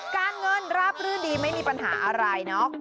การเงินราบรื่นดีไม่มีปัญหาอะไรเนาะ